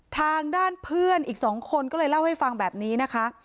ทางด้านเพื่อนอีก๒คนก็เลยเล่าให้ฟังแบบนี้นะคะ